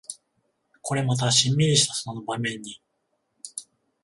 これまたシンミリしたその場面に